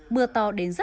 mưa to đến rất nhiều